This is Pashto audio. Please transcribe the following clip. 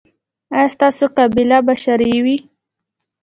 ایا ستاسو قباله به شرعي وي؟